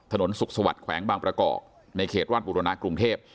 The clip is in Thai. ถนนสุขสวัสดิแขวงบางประกอบในเขตวาดบุรณะกรุงเทพ